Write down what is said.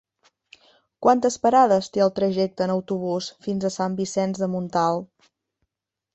Quantes parades té el trajecte en autobús fins a Sant Vicenç de Montalt?